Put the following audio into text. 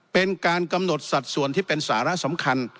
เป็นการกำหนดสัดส่วนที่เป็นสาระสำคัญ